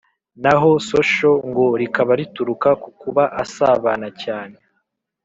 Na ho Social ngo rikaba rituruka ku kuba asabana cyane.